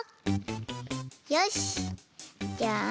よしじゃあ